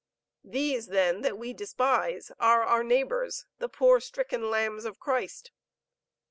These, then that we despise, are our neighbors, the poor, stricken lambs of Christ.